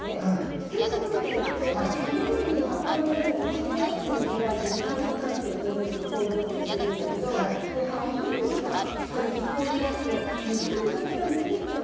普通植物って昼間に葉っぱの裏にある気孔っての開いて二酸化炭素を取り入れて光合成してるんだけどその昼間にさその気孔を開くと水けもそっから抜けてっちゃうのよ。